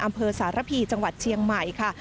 อำเภอสารพีจังหวัดเชียงใหม่ค่ะ